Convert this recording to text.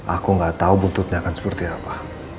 aku gak tahu bututnya akan seperti apa